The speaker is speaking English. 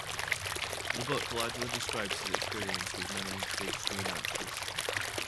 The book largely describes his experiences with many big-screen actors.